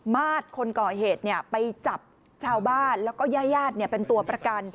มาศคนก่อเหตุเนี่ยไปจับชาวบ้านแล้วก็